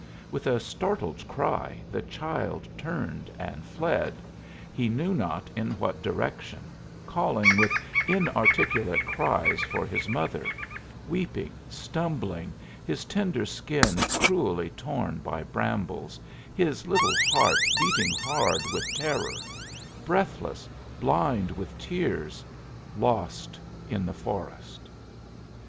With a startled cry the child turned and fled, he knew not in what direction, calling with inarticulate cries for his mother, weeping, stumbling, his tender skin cruelly torn by brambles, his little heart beating hard with terror breathless, blind with tears lost in the forest!